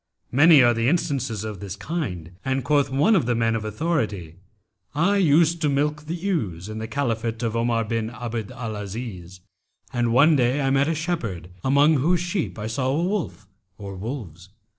Many are the instances of this kind, and quoth one of the men of authority, 'I used to milk the ewes in the Caliphate of Omar bin Abd al Aziz, and one day I met a shepherd, among whose sheep I saw a wolf or wolves.